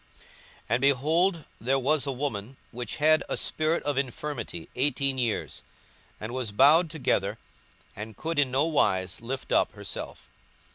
42:013:011 And, behold, there was a woman which had a spirit of infirmity eighteen years, and was bowed together, and could in no wise lift up herself.